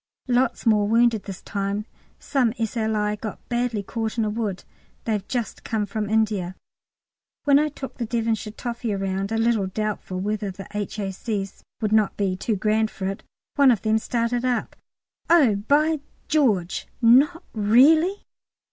Lots more wounded this time. Some S.L.I. got badly caught in a wood; they've just come from India. When I took the Devonshire toffee round, a little doubtful whether the H.A.C.'s would not be too grand for it, one of them started up, "Oh, by George, not really!"